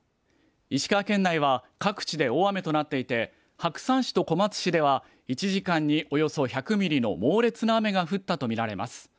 石川県内は各地で大雨となっていて白山市と小松市では１時間におよそ１００ミリの猛烈な雨が降ったと見られます。